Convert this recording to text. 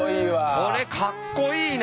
これかっこいいな！